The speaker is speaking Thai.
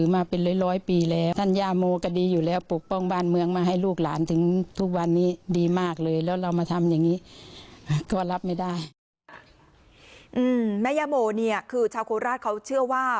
แม่ย่าโบเนี่ยคือชาวโคราชเขาเชื่อว่า